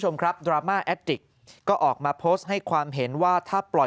คุณผู้ชมครับดราม่าแอดติกก็ออกมาโพสต์ให้ความเห็นว่าถ้าปล่อย